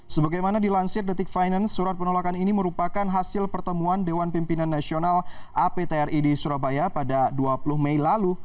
sebagaimana dilansir detik finance surat penolakan ini merupakan hasil pertemuan dewan pimpinan nasional aptri di surabaya pada dua puluh mei lalu